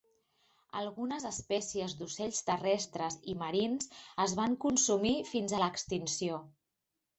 Algunes espècies d'ocells terrestres i marins es van consumir fins a l'extinció.